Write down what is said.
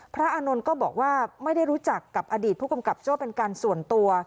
อานนท์ก็บอกว่าไม่ได้รู้จักกับอดีตผู้กำกับโจ้เป็นการส่วนตัว